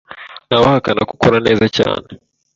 Ntawahakana ko akora neza cyane